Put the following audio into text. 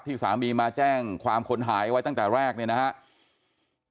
สามีมาแจ้งความคนหายไว้ตั้งแต่แรกเนี่ยนะครับ